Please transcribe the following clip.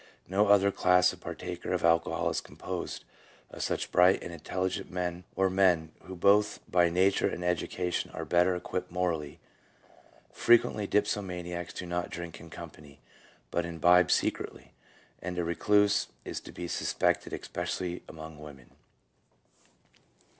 No other class of partakers of alcohol is composed of such bright and intelligent men, or men who both by nature and education are better equipped morally. Frequently dipsomaniacs do not drink in company, but imbibe secretly; and a recluse is to be suspected, especially among women.